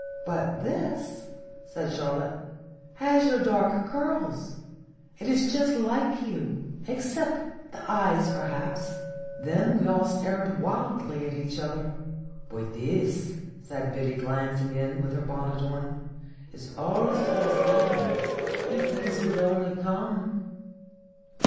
" But this," said Charlotte, " has your dark curls. It is just like you, except the eyes, perhaps." Then we all stared wildly at each other. "But this," said Biddy, glancing in, with her bonnet on, "is All Souls' Eve, if yees would only come."